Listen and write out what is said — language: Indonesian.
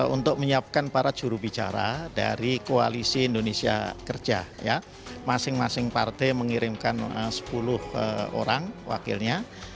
untuk menyiapkan para jurubicara dari koalisi indonesia kerja masing masing partai mengirimkan sepuluh orang wakilnya